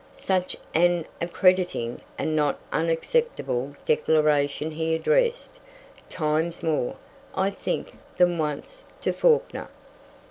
Such an accrediting and not unacceptable declaration he addressed, times more, I think, than once, to Fawkner.